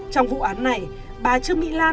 trong vụ án này bà trương mỹ lan